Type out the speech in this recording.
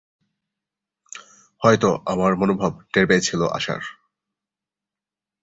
হয়তো আমার মনোভাব টের পেয়েছিল আশার।